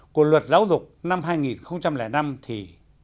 của luật giáo dục năm hai nghìn năm thì